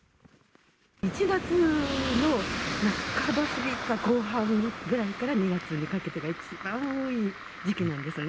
１月の半ば過ぎか後半ぐらいから２月にかけてが、一番多い時期なんですよね。